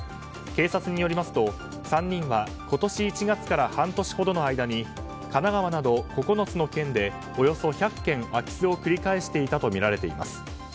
警察によりますと、３人は今年１月から半年ほどの間に神奈川など９つの県でおよそ１００件空き巣を繰り返していたとみられています。